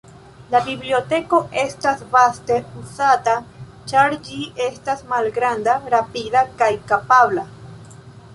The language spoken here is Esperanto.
La biblioteko estas vaste uzata, ĉar ĝi estas malgranda, rapida kaj kapabla.